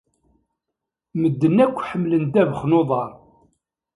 Medden akk ḥemmlen ddabex n uḍar.